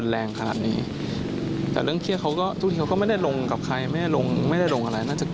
เป็นนี่สินที่ถือว่านักใจจากครอบครัวเขาไหม